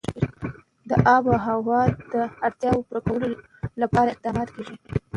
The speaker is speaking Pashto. د آب وهوا د اړتیاوو پوره کولو لپاره اقدامات کېږي.